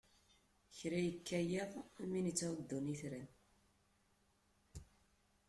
Kra ikka yiḍ, am win ittɛuddun itran.